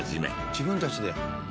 自分たちで？